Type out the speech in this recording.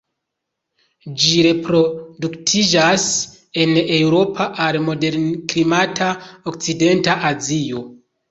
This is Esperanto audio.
Ĝi reproduktiĝas en Eŭropo al moderklimata okcidenta Azio.